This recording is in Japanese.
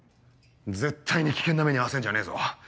絶対に危険な目に遭わせんじゃねえぞ。